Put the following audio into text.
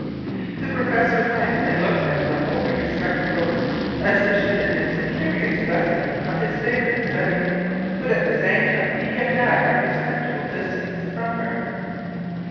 The professor went and looked at her over his spectacles, as if she had been some curious specimen of his favourite study; but at the same time he kept at a respectful distance from her.